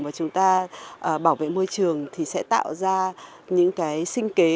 và chúng ta bảo vệ môi trường thì sẽ tạo ra những cái sinh kế